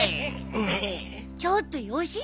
ちょっとよしなよ。